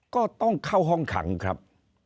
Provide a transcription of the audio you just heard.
ก็ต้องเข้าห้องขังครับ